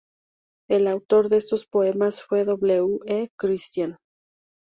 El autor de estos poemas fue W. E. Christian.